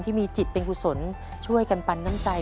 ที่มีจิตเป็นกุศลช่วยกันปันน้ำใจ